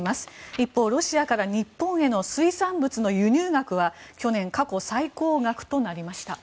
一方、ロシアから日本への水産物の輸入額は去年、過去最高額となりました。